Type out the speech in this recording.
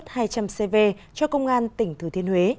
đồng bào công suất hai trăm linh cv cho công an tỉnh thứ thiên huế